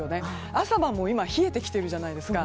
朝晩も冷えてきているじゃないですか。